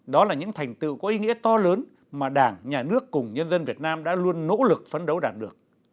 đó là những thành tựu có ý nghĩa to lớn mà đảng nhà nước cùng nhân dân việt nam đã luôn nỗ lực phấn đấu đạt được